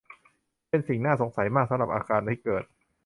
เป็นสิ่งน่าสงสัยมากสำหรับอาการที่เกิด